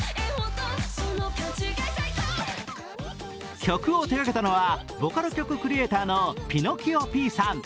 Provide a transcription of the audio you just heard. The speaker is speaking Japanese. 曲を手がけたのはボカロ曲クリエーターのピノキオピーさん。